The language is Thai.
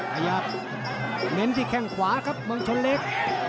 ขยับเน้นที่แข้งขวาครับเมืองชนเล็ก